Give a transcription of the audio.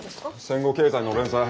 戦後経済の連載。